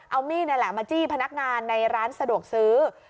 เอามีดนี่แหละมาจี้พนักงานในร้านสะดวกซื้อ